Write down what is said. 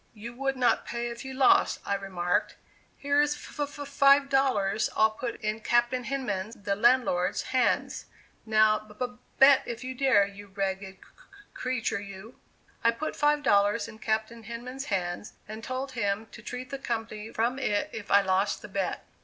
"You would not pay if you lost," I remarked. "Here's f f five dollars I'll put in Captain Hinman's (the landlord's) hands. Now b b bet if you dare, you ragged c c creature, you." I put five dollars in Captain Hinman's hands, and told him to treat the company from it if I lost the bet.